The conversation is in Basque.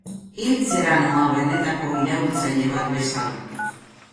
Hiltzera noa, benetako iraultzaile bat bezala.